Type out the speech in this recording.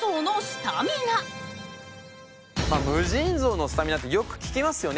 無尽蔵のスタミナってよく聞きますよね